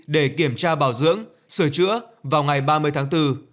để kiểm tra bảo dưỡng sửa chữa vào ngày ba mươi tháng bốn